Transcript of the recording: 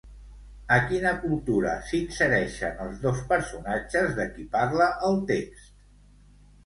A quina cultura s'insereixen els dos personatges de qui parla el text?